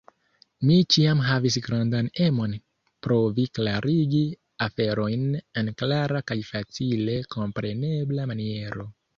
Mi ĉiam havis grandan emon provi klarigi aferojn en klara kaj facile komprenebla maniero.